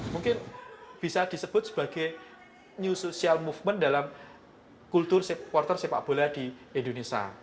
mungkin bisa disebut sebagai new social movement dalam kultur supporter sepak bola di indonesia